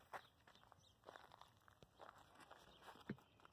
Bobur kabi rangi oqarib…